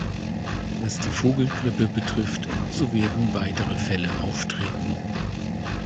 Was die Vogelgrippe betrifft, so werden weitere Fälle auftreten.